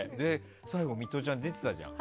最後、ミトちゃん出てたじゃん。